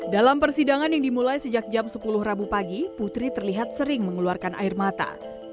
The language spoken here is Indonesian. dalam persidangan yang dimulai sejak jam sepuluh rabu pagi putri terlihat sering mengeluarkan air mata